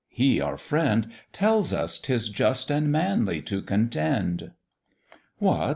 He, our friend, Tells us 'tis just and manly to contend. "What!